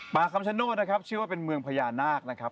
คำชโนธนะครับชื่อว่าเป็นเมืองพญานาคนะครับ